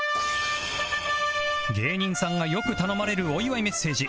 芸人さんがよく頼まれるお祝いメッセージ